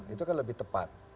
itu kan lebih tepat